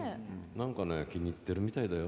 何かね気に入ってるみたいだよ。